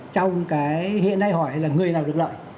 trong hiện nay hỏi là người nào được lợi